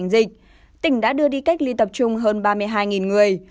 dịch tỉnh đã đưa đi cách ly tập trung hơn ba mươi hai người